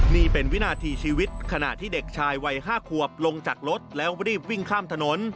นี่เป็นวินาทีชีวิตขณะที่เด็กชายวัย๕ขวบลงจากรถแล้วรีบวิ่งข้ามถนน